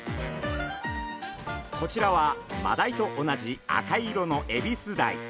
こちらはマダイと同じ赤色のエビスダイ。